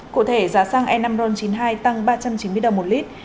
cụ thể giá xăng e năm ron chín mươi hai tăng ba trăm chín mươi đồng một lít